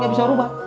gak bisa rubah